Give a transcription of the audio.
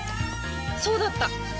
そうだった！